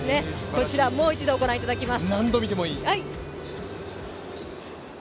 こちら、もう一度ご覧いただきます。